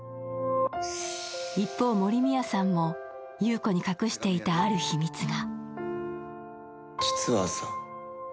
一方、森宮さんも優子に隠していたある秘密が。